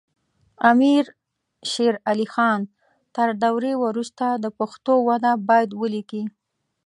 امیر شیر علی خان تر دورې وروسته د پښتو وده باید ولیکي.